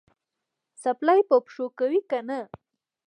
څپلۍ په پښو کوې که نه؟